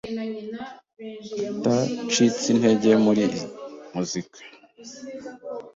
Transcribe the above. atacitse intege muri muzika